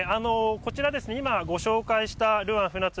こちら、今ご紹介したルアン鮒鶴